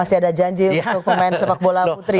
itu pemain sepak bola putri